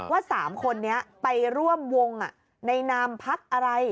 ว่า๓คนนี้ไปร่วมวงในนามพักอะไร